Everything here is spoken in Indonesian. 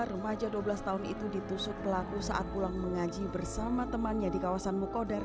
remaja dua belas tahun itu ditusuk pelaku saat pulang mengaji bersama temannya di kawasan mukodar